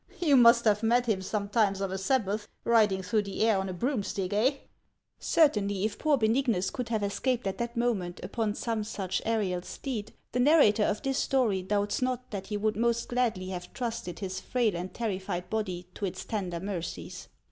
You must have met him sometimes of a Sabbath, riding through the air on a broomstick, eh ?" Certainly, if poor Benign us could have escaped at that moment upon some such aerial steed, the narrator of this story doubts not that he would most gladly have trusted his frail and terrified body to its tender mercies.